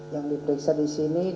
yang diperiksa di jawa bali investasi